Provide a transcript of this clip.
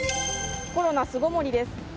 コロナ巣ごもりです。